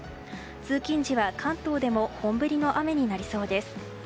通勤時は関東でも本降りの雨になりそうです。